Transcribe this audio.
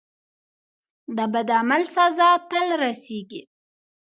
د بد عمل سزا تل رسیږي.